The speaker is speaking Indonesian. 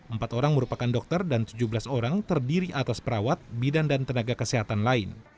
empat orang merupakan dokter dan tujuh belas orang terdiri atas perawat bidan dan tenaga kesehatan lain